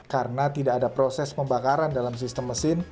karena tidak ada proses pembakaran dalam sistem mesin